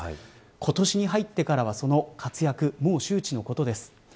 今年に入ってからは、その活躍もう周知のことです。